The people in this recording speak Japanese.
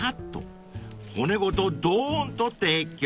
［骨ごとドーンと提供］